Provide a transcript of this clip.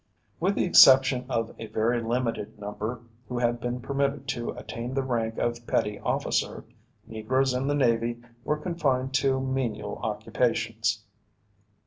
With the exception of a very limited number who have been permitted to attain the rank of petty officer, Negroes in the Navy were confined to menial occupations.